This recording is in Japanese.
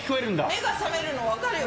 目が覚めるのは分かるんだよ。